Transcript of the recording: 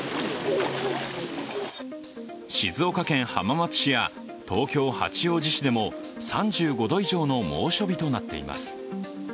静岡県浜松市や東京・八王子市でも３５度以上の猛暑日となっています。